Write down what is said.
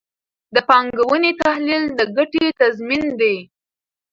د پانګونې تحلیل د ګټې تضمین دی.